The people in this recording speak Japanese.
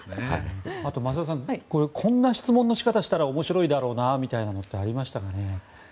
あと増田さんこんな質問の仕方をしたら面白いだろうなというのはありましたかね？